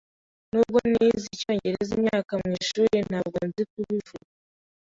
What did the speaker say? Nubwo nize icyongereza imyaka mwishuri, ntabwo nzi kubivuga.